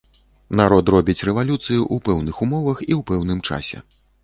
Народ робіць рэвалюцыю ў пэўных умовах і ў пэўным часе.